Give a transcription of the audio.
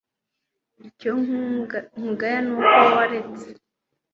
icyo nkugaya ni uko waretse